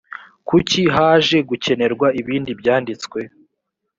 kuki haje gukenerwa ibindi byanditswe